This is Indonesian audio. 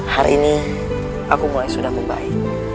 hari ini aku mulai sudah membaik